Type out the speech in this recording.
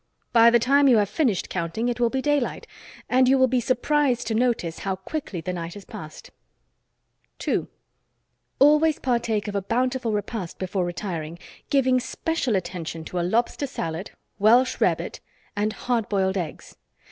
By the time you have finished counting it will be daylight, and you will be surprised to notice how quickly the night has passed. 2. Always partake of a bountiful repast before retiring, giving special attention to a lobster salad, welsh rarebit and hard boiled eggs.